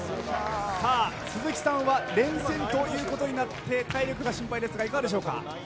鈴木さんは連戦ということになって体力が心配ですがいかがですか。